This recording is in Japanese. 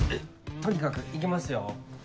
とにかく行きますよ。